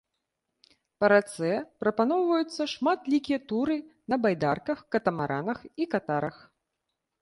Па рацэ прапаноўваюцца шматлікія туры на байдарках, катамаранах і катарах.